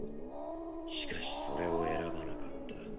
しかしそれを選ばなかった。